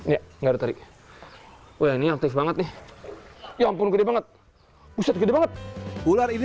ya nggak ditarik wah ini aktif banget nih ya ampun gede banget puset gede banget ular ini